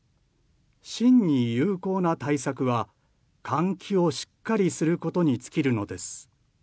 真に有効な対策は換気をしっかりすることに尽きるのです。